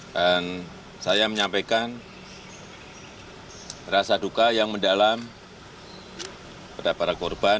dan saya menyampaikan rasa duka yang mendalam pada para korban